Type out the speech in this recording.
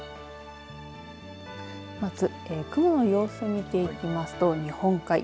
まず雲の様子を見ていきますと日本海。